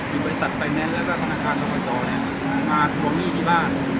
มีบริษัทไฟแนนซ์และธนาคารตัวมี่ที่บ้าน